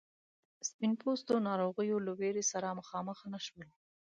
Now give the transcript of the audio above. سپین پوستو ناروغیو له ویرې سره مخامخ نه شول.